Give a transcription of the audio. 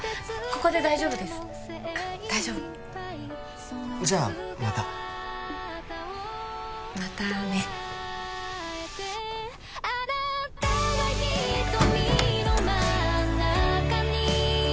ここで大丈夫です大丈夫じゃあまたまたねあっ